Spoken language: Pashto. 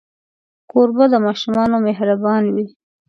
کوربه د ماشومانو مهربان وي.